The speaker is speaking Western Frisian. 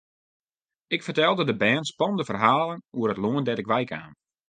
Ik fertelde de bern spannende ferhalen oer it lân dêr't ik wei kaam.